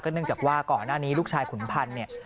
เนื่องจากว่าก่อนหน้านี้ลูกชายขุนพันธ์เนี่ย